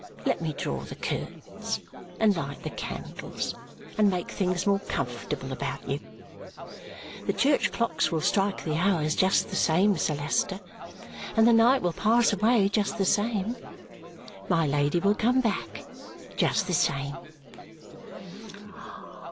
Let me draw the curtains, and light the candles, and make things more comfortable about you. The church clocks will strike the hours just the same, Sir Leicester, and the night will pass away just the same. My Lady will come back, just the same."